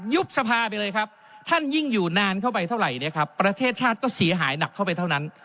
สภาไปเลยครับท่านยิ่งอยู่นานเข้าไปเท่าไหร่เนี่ยครับประเทศชาติก็เสียหายหนักเข้าไปเท่านั้น